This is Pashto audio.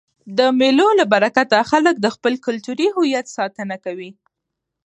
د مېلو له برکته خلک د خپل کلتوري هویت ساتنه کوي.